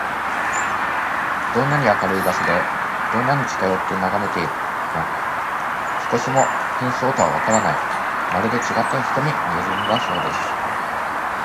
どんなに明るい場所で、どんなに近よってながめても、少しも変装とはわからない、まるでちがった人に見えるのだそうです。